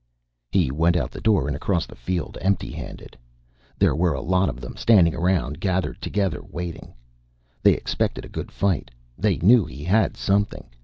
He went out the door and across the field, empty handed. There were a lot of them standing around, gathered together, waiting. They expected a good fight; they knew he had something.